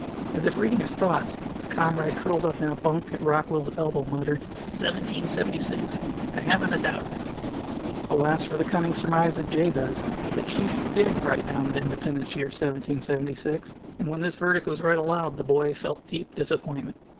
As if reading his thoughts, a comrade curled up in a bunk at Rockwell's elbow muttered, "Seventeen seventy six, I haven't a doubt of it!" Alas for the cunning surmise of Jabez, the chief did write down the Independence year, "1776," and when this verdict was read aloud the boy felt deep disappointment.